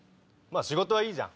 仕事はいいじゃん。